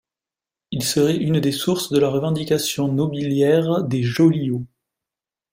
Il serait une des sources de la revendication nobiliaire des Jolyot.